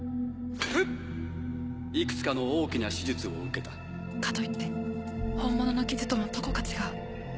いくつかの大きな手術をかといって本物の傷ともどこか違う